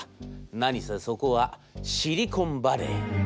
何せそこはシリコンバレー。